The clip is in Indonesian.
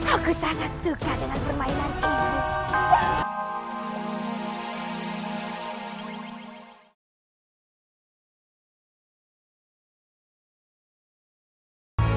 aku sangat suka dengan permainanmu